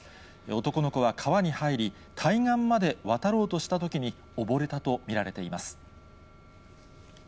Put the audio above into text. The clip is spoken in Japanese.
男の子は川に入り、対岸まで渡ろうとしたときに溺れたと見られています。